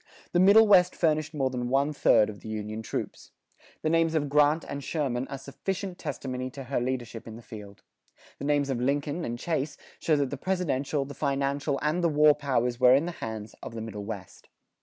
The Middle West furnished more than one third of the Union troops. The names of Grant and Sherman are sufficient testimony to her leadership in the field. The names of Lincoln and Chase show that the presidential, the financial, and the war powers were in the hands of the Middle West.